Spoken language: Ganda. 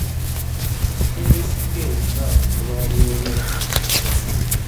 Nabisanga eyo ng'abantu babyogera.